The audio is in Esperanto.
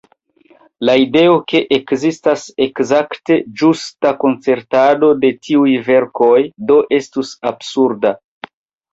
La ideo, ke ekzistas ekzakte ĝusta koncertado de tiuj verkoj, do estus absurda.